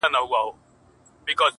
o ګرم مي و نه بولی چي شپه ستایمه ,